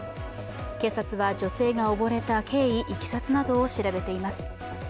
警察は女性が溺れた経緯、いきさつなどを調べています。